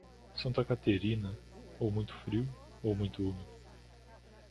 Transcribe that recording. Santa Caterina, ou muito frio, ou muito úmido.